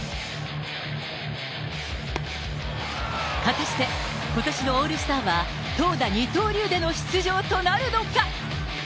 果たしてことしのオールスターは投打二刀流での出場となるのか。